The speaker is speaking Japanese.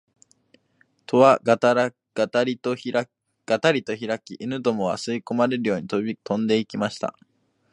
戸はがたりとひらき、犬どもは吸い込まれるように飛んで行きました